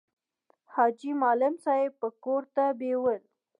حاجي معلم صاحب به کور ته بېول.